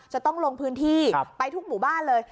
จะต้องลงพื้นที่ไปทุกหมู่บ้านเลย